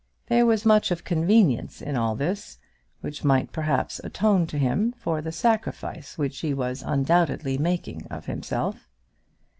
There was much of convenience in all this, which might perhaps atone to him for the sacrifice which he was undoubtedly making of himself.